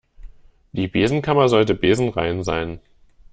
Die Besenkammer sollte besenrein sein.